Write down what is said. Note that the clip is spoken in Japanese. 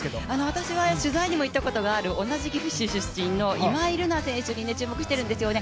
私は取材に行ったこともある、同じ岐阜市出身の今井月選手に注目しているんですよね。